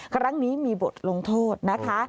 ครั้งนี้มีบทลงโทษนะคะ